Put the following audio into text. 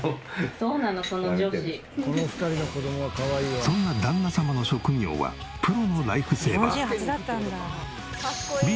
そんな旦那様の職業はプロのライフセーバー。